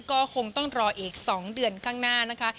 ก็คงต้องรออีก๒เดือนข้างหน้านะคะ